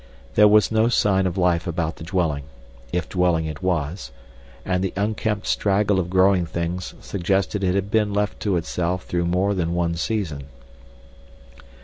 There was no sign of life about the dwelling, if dwelling it was, and the unkempt straggle of growing things suggested that it had been left to itself through more than one season.